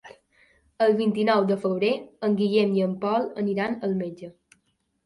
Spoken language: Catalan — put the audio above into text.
El vint-i-nou de febrer en Guillem i en Pol aniran al metge.